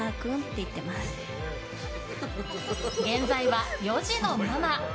現在は４児のママ。